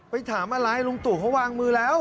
ไปถามอลายลุงตุเขาวางมือแล้ว